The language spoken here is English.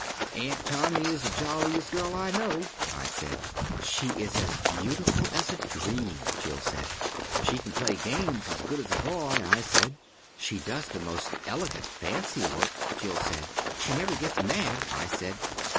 "Aunt Tommy is the jolliest girl I know," I said. "She is as beautiful as a dream," Jill said. "She can play games as good as a boy," I said. "She does the most elegant fancy work," Jill said. "She never gets mad," I said.